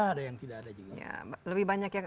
ada yang tidak ada juga lebih banyak yang